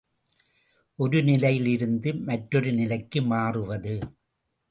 ஒரு நிலையில் இருந்து மற்றொரு நிலைக்கு மாறுவது.